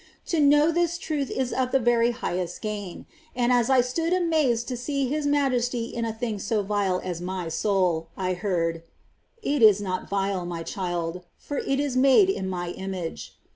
To know this truth is of the very highest gain ; and as I stood amazed to see His Majesty in a thing so vile as my soul, I heard :" It is not vile. My child, for it is made in My image."